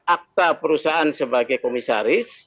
akta perusahaan sebagai komisaris